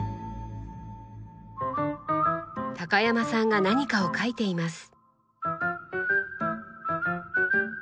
高山さんが何かを書いています。